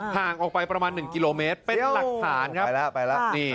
ห่างออกไปประมาณ๑กิโลเมตรเป็นหลักฐานครับ